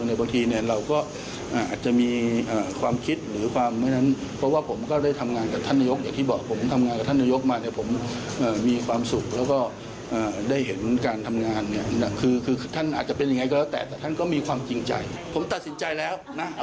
ดิวจบแล้วใช่ไหมคะคุณบอกว่าดิวจบแล้ว